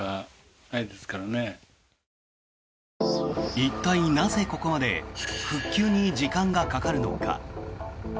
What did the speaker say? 一体なぜ、ここまで復旧に時間がかかるのか。